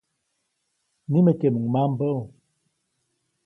Nimekeʼmuŋ mambäʼu.